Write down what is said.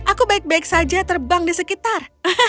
aku baik baik saja terbang di sekitar